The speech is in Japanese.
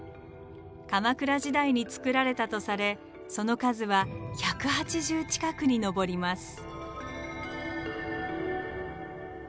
鎌倉時代に作られたとされその数は１８０近くに上ります。